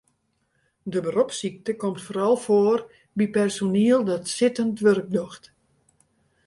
De beropssykte komt foaral foar by personiel dat sittend wurk docht.